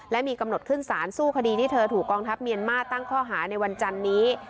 และมีกำหนดขึ้นสารสู้คดีที่เธอถูกกองทัพเมียนมาร์ตั้งข้อหาในวันจันนี้